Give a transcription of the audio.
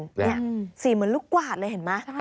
นี่สีเหมือนลูกกวาดเลยเห็นไหม